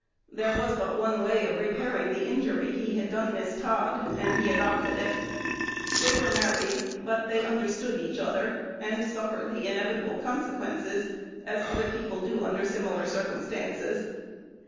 There was but one way of repairing the injury he had done Miss Todd, and he adopted it. They were married; but they understood each other, and suffered the inevitable consequences, as other people do under similar circumstances.